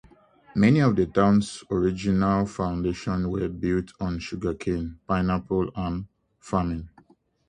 Many of the town's original foundations were built on sugarcane, pineapple and farming.